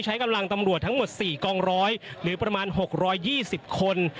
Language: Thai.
ใช้กำลังตำรวจทั้งหมด๔กองร้อยหรือประมาณ๖๒๐คน